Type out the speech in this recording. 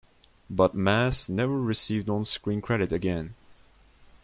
But Maas never received on-screen credit again.